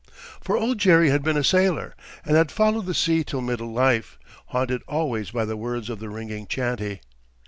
For Old Jerry had been a sailor, and had followed the sea till middle life, haunted always by the words of the ringing chantey.